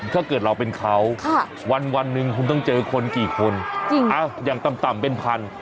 ถ้าเกิดเราเป็นเขาวันหนึ่งคุณต้องเจอคนกี่คนอย่างต่ำเป็นพัน